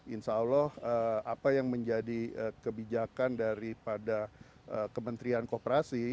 insya allah apa yang menjadi kebijakan daripada kementerian kooperasi